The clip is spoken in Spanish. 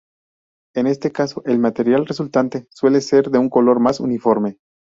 En este caso el material resultante suele ser de un color más uniforme.